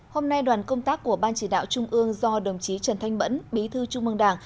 hôm nay đoàn công tác của ban chỉ đạo trung ương do đồng chí trần thanh mẫn bí thư trung mương đảng